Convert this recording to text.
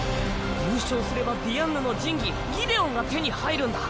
優勝すればディアンヌの神器ギデオンが手に入るんだ。